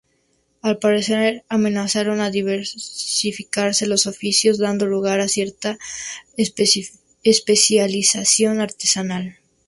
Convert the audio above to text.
Al parecer, comenzaron a diversificarse los oficios, dando lugar a una cierta especialización artesanal.